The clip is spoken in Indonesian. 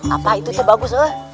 apa itu tuh bagus